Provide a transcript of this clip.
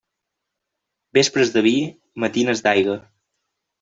Vespres de vi, matines d'aigua.